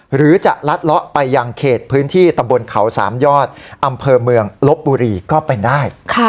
หรือจะลัดเลาะไปยังเขตพื้นที่ตำบลเขาสามยอดอำเภอเมืองลบบุรีก็เป็นได้